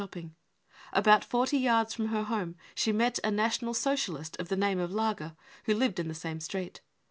Na°t?r n f's r ' f ° rty yards fr0m her home she met a Uonal Socialist of the name of Lager, who lived in the same street.